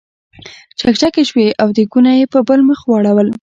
چکچکې شوې او دیګونه یې په بل مخ واړول.